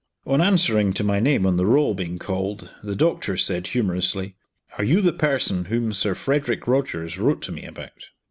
On answering to my name on the roll being called, the doctor said humorously, "Are you the person whom Sir Frederick Rogers wrote to me about?"